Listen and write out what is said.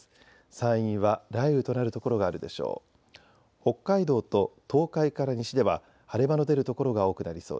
山陰は雷雨となる所があるでしょう。